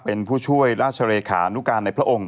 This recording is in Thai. เป็นผู้ช่วยราชเลขานุการณ์ในพระองค์